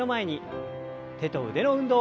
手と腕の運動から。